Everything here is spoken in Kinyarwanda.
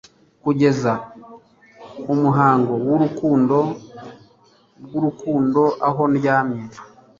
Kugeza umuhungu wurukundo rwurukundo aho ndyamye